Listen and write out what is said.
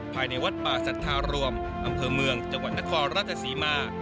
ภายในวัดป่าสัตว์ธรรมเมืองจังหวันณครรัฐสีมา